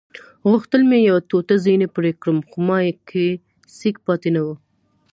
غوښتل مې یوه ټوټه ځینې پرې کړم خو ما کې سېک پاتې نه وو.